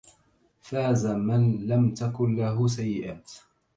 فاز من لم تكن له سيئات